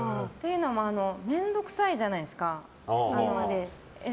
面倒くさいじゃないですか。